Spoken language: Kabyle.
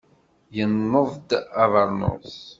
Yenneḍ-d abeṛnus.